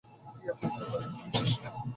কী, আপনি একাই পুরো মিশন শেষ করতে যাচ্ছেন?